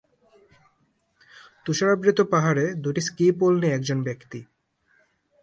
তুষারাবৃত পাহাড়ে দু'টি ski pole নিয়ে একজন ব্যক্তি